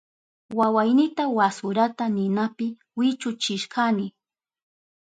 Wawaynita wasurata ninapi wichuchishkani.